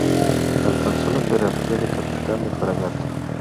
Alcanzó la jerarquía de Capitán de Fragata.